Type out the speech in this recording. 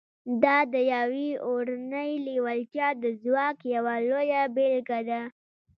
دا د يوې اورنۍ لېوالتیا د ځواک يوه لويه بېلګه ده.